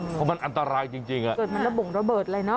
เพราะมันอันตรายจริงอ่ะ